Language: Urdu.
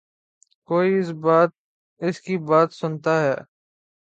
کوئی اس کی بات سنتا ہے۔